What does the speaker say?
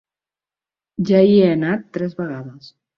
Ja hi he anat tres vegades.